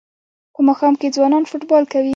په ماښام کې ځوانان فوټبال کوي.